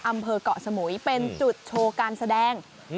อำเภอกเกาะสมุยเป็นจุดโชว์การแสดง